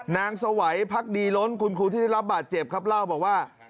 สวัยพักดีล้นคุณครูที่ได้รับบาดเจ็บครับเล่าบอกว่า